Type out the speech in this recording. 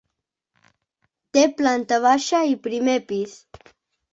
Té planta baixa i primer pis.